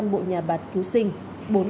hai trăm linh bộ nhà bạc cứu sinh